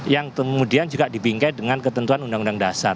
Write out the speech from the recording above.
yang kemudian juga dibingkai dengan ketentuan undang undang dasar